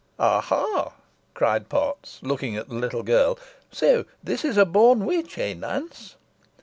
"Aha!" cried Potts, looking at the little girl, "So this is a born witch eh, Nance?"